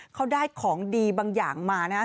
เขาได้ของดีบางอย่างมานะครับ